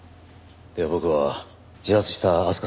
では僕は自殺した明日香さんの事を。